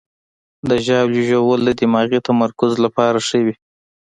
د ژاولې ژوول د دماغي تمرکز لپاره ښه وي.